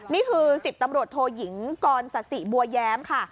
นี่คือ๑๐ตำรวจโทหยิงกรสัตว์ศรีบัวย้ำค่ะ